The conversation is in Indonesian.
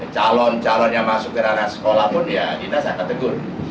calon calon yang masuk ke ranah sekolah pun ya kita sangat tegur